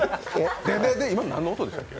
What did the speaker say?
今、何の音でしたっけ？